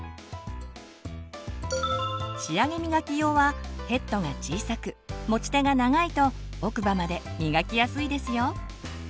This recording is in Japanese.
仕上げみがき用はヘッドが小さく持ち手が長いと奥歯までみがきやすいですよ。